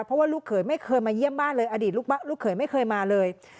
เพราะว่าลูกเขยไม่เคยมาเยี่ยมบ้านเลยอดีตลูกเขยไม่เคยมาเลย